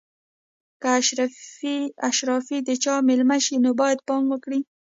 که اشرافي د چا مېلمه شي نو باید پام وکړي.